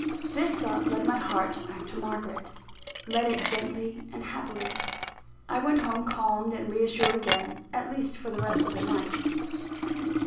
This thought led my heart back to Margaret led it gently and happily. I went home, calmed and reassured again at least for the rest of the night.